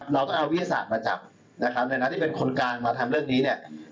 เราก็เอาวิทยาศาสตร์มาจับนะครับในหน้าที่เป็นคนกลางมาทำเรื่องนี้เนี่ย